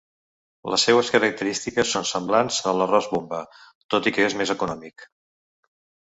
Les seues característiques són semblants a l'arròs Bomba, tot i que és més econòmic.